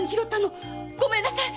ごめんなさい！